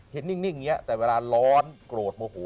นิ่งอย่างนี้แต่เวลาร้อนโกรธโมโห